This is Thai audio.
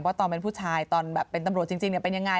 ว่าตอนเป็นผู้ชายตอนเป็นตำรวจจริงเป็นอย่างไร